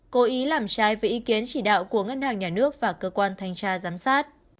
cố ý làm trái với ý kiến chỉ đạo của ngân hàng nhà nước và cơ quan thanh tra giám sát